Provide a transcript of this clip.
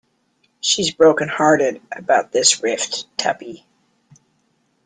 She's broken-hearted about this rift, Tuppy.